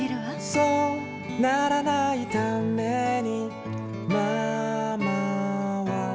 「そうならないためにママは」